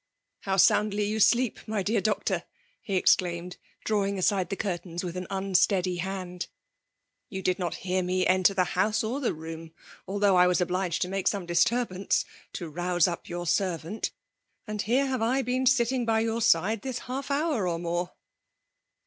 " How soundly you sleep, my d^ar doctor !'' he exclaimed^ drawing aside the cnrtains with an unsteady hand. ''You did not hear me enter the house or the room, although I was obHged to make some disturbance to rouse up your servant ; and here have I been sitting by your side this half hour o^ more."